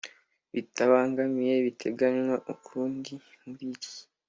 Bitabangamiye ibiteganywa ukundi muri iri